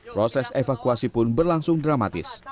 proses evakuasi pun berlangsung dramatis